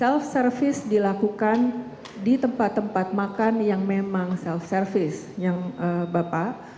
self service dilakukan di tempat tempat makan yang memang self service yang bapak